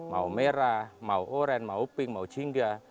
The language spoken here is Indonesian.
mau merah mau oren mau pink mau jingga